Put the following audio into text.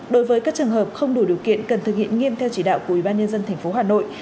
đối với các trường hợp không đủ điều kiện cần thực hiện nghiêm theo chỉ đạo của ubnd tp hà nội